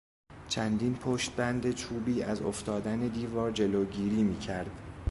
چندین پشتبند چوبی از افتادن دیوار جلوگیری میکرد.